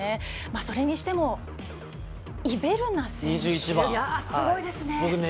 それにしてもイベルナ選手、すごいですね。